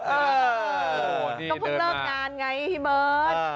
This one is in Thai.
ก็เพิ่งเลิกงานไงพี่เบิ๊ด